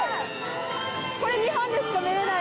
これ日本でしか見れない。